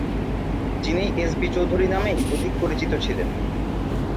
যিনি S B Chowdhury নামেই অধিক পরিচিত ছিলেন।